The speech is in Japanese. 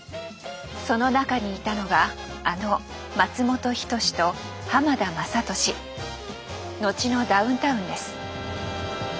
その中にいたのがあの松本人志と浜田雅功後のダウンタウンです。